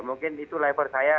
mungkin itu level saya